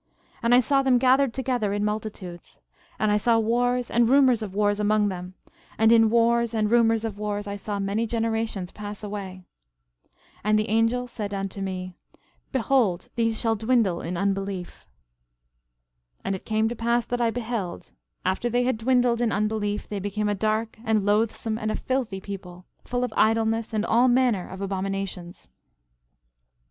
12:21 And I saw them gathered together in multitudes; and I saw wars and rumors of wars among them; and in wars and rumors of wars I saw many generations pass away. 12:22 And the angel said unto me: Behold these shall dwindle in unbelief. 12:23 And it came to pass that I beheld, after they had dwindled in unbelief they became a dark, and loathsome, and a filthy people, full of idleness and all manner of abominations.